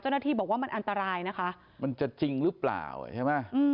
เจ้าหน้าที่บอกว่ามันอันตรายนะคะมันจะจริงหรือเปล่าใช่ไหม